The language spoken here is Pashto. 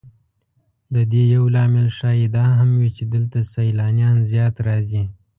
د دې یو لامل ښایي دا هم وي چې دلته سیلانیان زیات راځي.